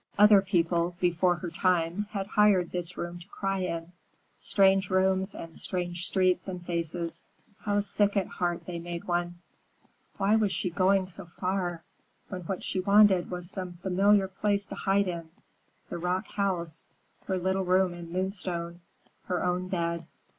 Other people, before her time, had hired this room to cry in. Strange rooms and strange streets and faces, how sick at heart they made one! Why was she going so far, when what she wanted was some familiar place to hide in?—the rock house, her little room in Moonstone, her own bed.